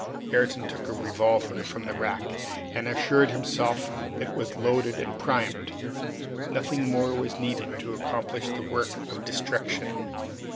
Ayrton took a revolver from the rack, and assured himself that it was loaded and primed. Nothing more was needed to accomplish the work of destruction.